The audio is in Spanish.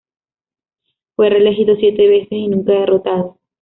Fue reelegido siete veces, y nunca derrotado.